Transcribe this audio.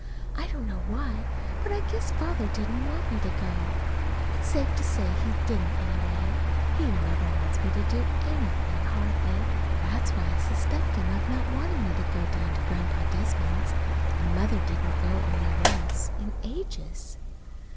I don't know why, but I guess Father didn't want me to go. It's safe to say he didn't, anyway. He never wants me to do anything, hardly. That's why I suspect him of not wanting me to go down to Grandpa Desmond's. And Mother didn't go only once, in ages.